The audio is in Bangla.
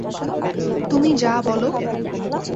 তুমি যা বলো।